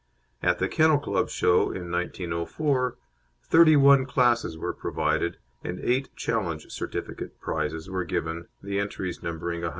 At the Kennel Club show in 1904 thirty one classes were provided and eight challenge certificate prizes were given, the entries numbering 109.